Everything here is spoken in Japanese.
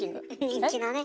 人気のね。